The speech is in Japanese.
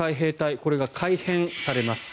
これが改編されます。